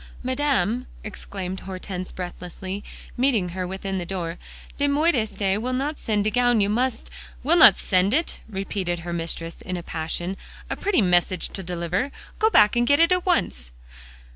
"Madame," exclaimed Hortense breathlessly, meeting her within the door, "de modiste will not send de gown; you must" "Will not send it?" repeated her mistress in a passion. "A pretty message to deliver. Go back and get it at once."